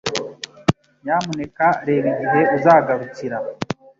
Nyamuneka reba igihe uzagarukira.